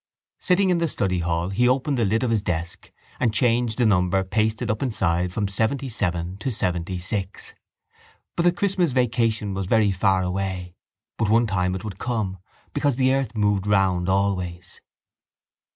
Sitting in the study hall he opened the lid of his desk and changed the number pasted up inside from seventyseven to seventysix. But the Christmas vacation was very far away: but one time it would come because the earth moved round always.